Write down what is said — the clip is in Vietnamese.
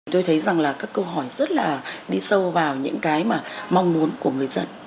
tôi thấy rằng là các câu hỏi rất là đi sâu vào những cái mà mong muốn của người dân